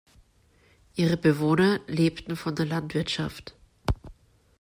Ihre Bewohner lebten von der Landwirtschaft.